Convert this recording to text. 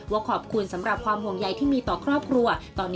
ว่าขอบคุณสำหรับความห่วงใยที่มีต่อครอบครัว